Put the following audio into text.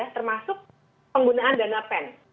termasuk penggunaan dana pen